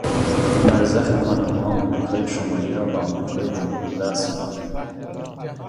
برزخ پاناما امریکای شمالی را به امریکای جنوبی وصل میکند.